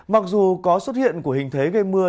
mặc dù có xuất hiện của hình thế gây mưa